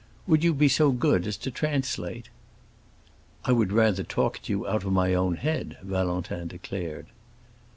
Would you be so good as to translate?" "I would rather talk to you out of my own head," Valentin declared.